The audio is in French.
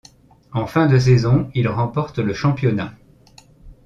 En fin de saison, il remporte le championnat.